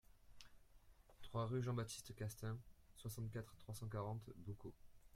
trois rue Jean-Baptiste Castaings, soixante-quatre, trois cent quarante, Boucau